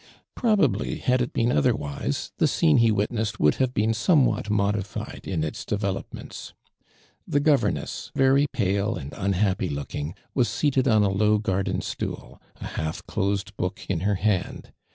Probably, hail it been otherwise, the scene he witnesse<l would liave been somewhat modified in its developments. The gover ness, very pale aad unhappy looking, was seated on a low garden stool, a half closed book in her hand.